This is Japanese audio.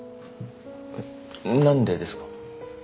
えっ何でですか？